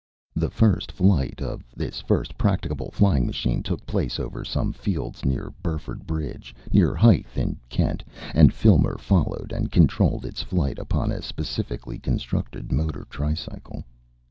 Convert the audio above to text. The first flight of this first practicable flying machine took place over some fields near Burford Bridge, near Hythe, in Kent, and Filmer followed and controlled its flight upon a specially constructed motor tricycle.